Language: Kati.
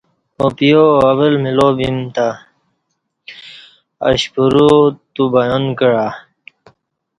اوپیا اول ملاؤ بیم تہ اشپورو تو بیان کعہ